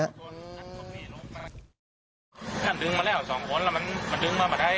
ท่านดึงมาแล้วสองคนแล้วมันดึงมามาได้